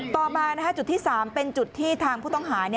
ต่อมาจุดที่๓เป็นจุดที่ทางผู้ต้องหา